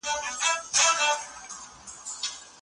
دا د نیکمرغۍ کیلي ده.